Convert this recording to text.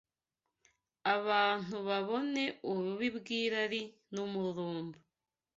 abantu babone ububi bw’irari n’umururumba